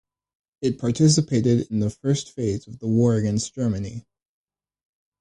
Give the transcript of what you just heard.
It participated in the first phase of the war against Germany.